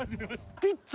ピッツァ。